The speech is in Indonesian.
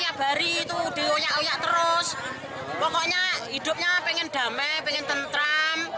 hidupnya pengen damai pengen tentram